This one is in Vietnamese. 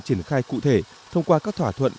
triển khai cụ thể thông qua các thỏa thuận